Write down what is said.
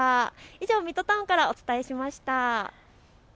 以上、ミッドタウンからお伝えしました。